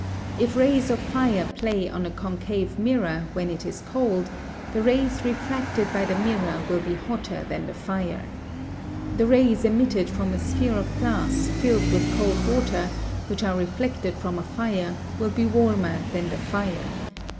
If rays of fire play on a concave mirror when it is cold, the rays refracted by the mirror will be hotter than the fire. The rays emitted from a sphere of glass filled with cold water, which are reflected from a fire, will be warmer than the fire.